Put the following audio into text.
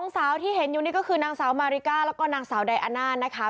สาวที่เห็นอยู่นี่ก็คือนางสาวมาริก้าแล้วก็นางสาวไดอาน่านะคะ